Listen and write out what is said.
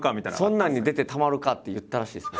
「そんなんに出てたまるか」って言ったらしいです。